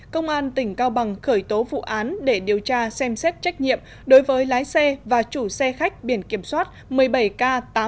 công an tỉnh cao bằng khởi tố vụ án để điều tra xem xét trách nhiệm đối với lái xe và chủ xe khách biển kiểm soát một mươi bảy k tám nghìn bốn trăm chín mươi sáu